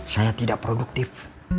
saya tidak produktif